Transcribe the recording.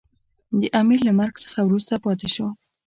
د امیر له مرګ څخه وروسته پاته شو.